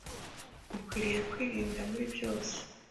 Akwiriye kwirinda muri byose